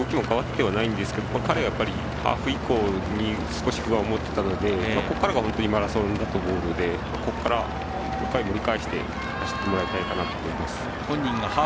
見た感じ、そんなに急激にペース落ちたというか動きも変わってはないんですけど彼はハーフ以降に少し不安を持っていたのでここからがマラソンだと思うのでここから盛り返して走ってほしいなと思います。